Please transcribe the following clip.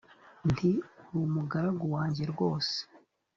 nti uri umugaragu wanjyerwose